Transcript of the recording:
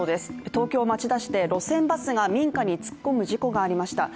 東京・町田市で民家に突っ込む事故がありました。